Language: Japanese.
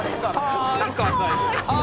「はーい」か最後。